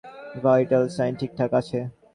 Vital sign ঠিকঠাক আছে।